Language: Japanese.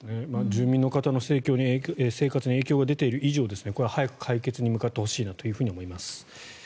住民の方たちの生活に影響が出ている以上早く解決に向かってほしいと思います。